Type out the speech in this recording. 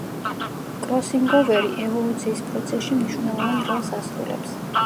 კროსინგოვერი ევოლუციის პროცესში მნიშვნელოვან როლს ასრულებს.